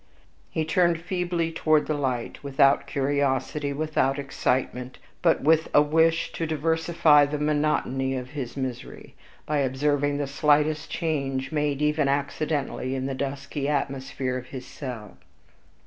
He turned feebly toward the light, without curiosity, without excitement, but with a wish to diversify the monotony of his misery, by observing the slightest change made even accidentally in the dusky atmosphere of his cell.